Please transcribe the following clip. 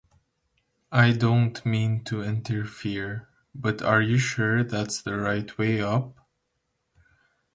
I don't mean to interfere, but are you sure that's the right way up?